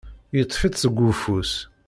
Yeṭṭef-itt seg ufus.